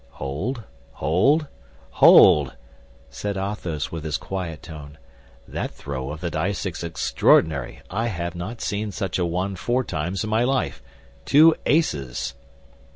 "Hold, hold, hold!" said Athos, wit his quiet tone; "that throw of the dice is extraordinary. I have not seen such a one four times in my life. Two aces!"